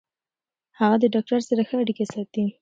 هغه د ډاکټر سره ښه اړیکه ساتي.